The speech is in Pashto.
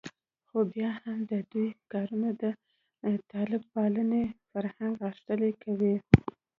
خو بیا هم د دوی کارونه د طالب پالنې فرهنګ غښتلی کوي